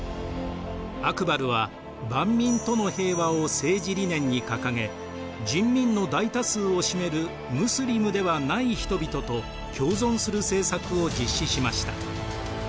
アクバルは万民との平和を政治理念に掲げ人民の大多数を占めるムスリムではない人々と共存する政策を実施しました。